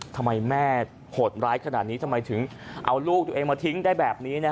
ทำไมแม่โหดร้ายขนาดนี้ทำไมถึงเอาลูกตัวเองมาทิ้งได้แบบนี้